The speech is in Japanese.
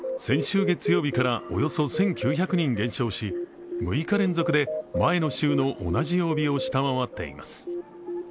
先週月曜日からおよそ１９００人減少し６日連続で前の週の同じ曜日を下回っています。